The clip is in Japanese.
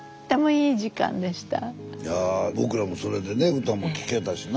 いや僕らもそれでね歌も聴けたしな？